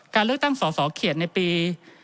การเลือกตั้งส่อเขียนในปี๒๐๔๔